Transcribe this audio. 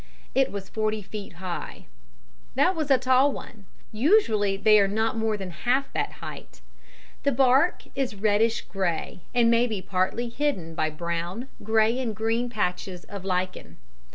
It was forty feet high. That was a tall one; usually they are not more than half that height. The bark is reddish grey, and may be partly hidden by brown, grey and green patches of lichen.